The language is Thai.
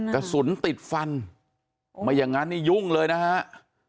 กระสุนติดฟันไม่อย่างนั้นนี่ยุ่งเลยนะฮะ